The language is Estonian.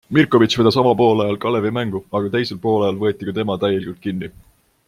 Mirkovic vedas avapoolajal Kalevi mängu, aga teisel poolajal võeti ka tema täielikult kinni.